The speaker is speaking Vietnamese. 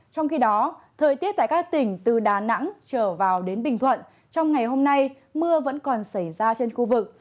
trong khi đó thời tiết tại các tỉnh từ đà nẵng trở vào đến bình thuận trong ngày hôm nay mưa vẫn còn xảy ra trên khu vực